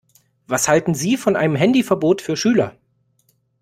Was halten Sie von einem Handyverbot für Schüler?